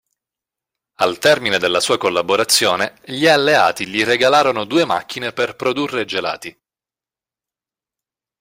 Al termine della sua collaborazione, gli alleati gli regalarono due macchine per produrre gelati.